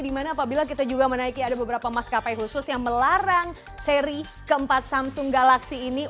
dimana apabila kita juga menaiki ada beberapa maskapai khusus yang melarang seri keempat samsung galaxy ini